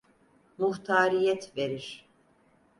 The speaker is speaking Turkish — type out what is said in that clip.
Muhtariyet verir!